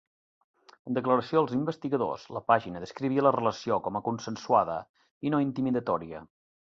En declaració als investigadors, la pàgina descrivia la relació com a consensuada i no intimidatòria.